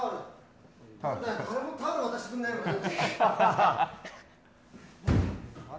誰もタオル渡してくれないのかよ。